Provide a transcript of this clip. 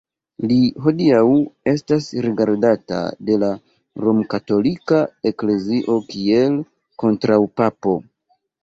Li hodiaŭ estas rigardata de la Romkatolika Eklezio kiel kontraŭpapo.